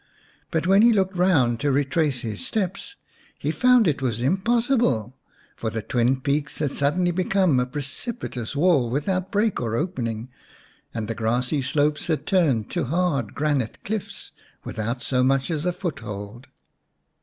But when he looked round to retrace his steps he found it was impossible. For the twin peaks had suddenly become a precipitous wall without break or opening, and the grassy slopes had turned to hard granite cliffs without so much as a foot hold.